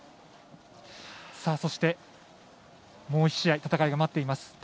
そして、もう１試合戦いが待っています。